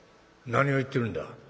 「何を言ってるんだ？」。